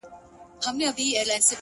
ماته د مار خبري ډيري ښې دي _